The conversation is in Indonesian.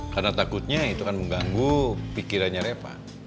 karena takutnya itu kan mengganggu pikirannya reva